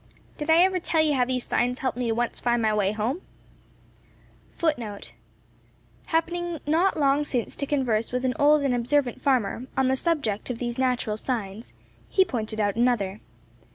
[#] Did I ever tell you how these signs helped me once to find my way home?" [#] Happening not long since to converse with an old and observant farmer, on the subject of these natural signs, he pointed out another.